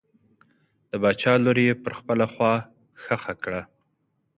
د باچا لور یې پر بله خوا ښخه کړه.